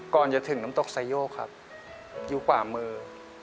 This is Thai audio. ก่อนจะถึงน้ำตกไซโยกครับอยู่ขวามือ